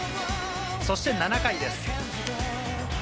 そして７回です。